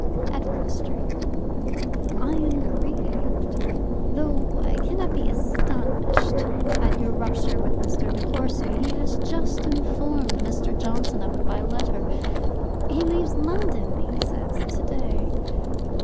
_ Edward Street I am grieved, though I cannot be astonished at your rupture with Mr. De Courcy; he has just informed Mr. Johnson of it by letter. He leaves London, he says, to day.